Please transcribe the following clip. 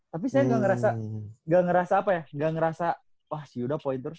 tapi saya gak ngerasa gak ngerasa apa ya gak ngerasa wah si yuda poin terus